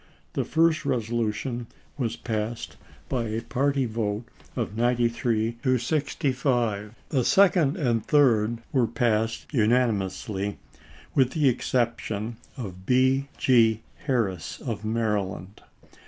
The first resolution was pp. W«. passed by a party vote of ninety three to sixty five; the second and third were passed unanimously, with the exception of B. G. Harris of Maryland.